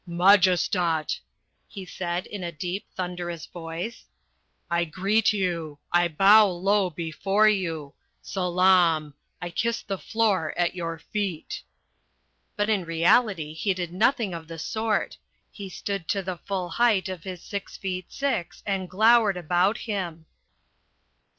"Majestat," he said in a deep, thunderous voice, "I greet you. I bow low before you. Salaam! I kiss the floor at your feet." But in reality he did nothing of the sort. He stood to the full height of his six feet six and glowered about him.